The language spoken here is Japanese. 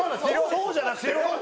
「そう」じゃなくて？